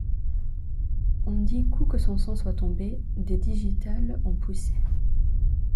On dit qu'où que son sang soit tombé, des digitales ont poussé.